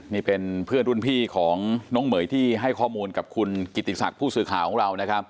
นี่เป็นเพื่อนรุ่นพี่ของน้องเหม๋ยที่ให้ข้อมูลกับคุณกิติศักดิ์ผู้สื่อข่าวของเรานะครับ